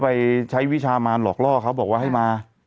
ไปใช้วิชามานหลอกล่อเขาบอกว่าให้มา